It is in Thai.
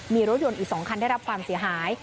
มีรถยนต์อีก๒คันได้รับความเสียหาย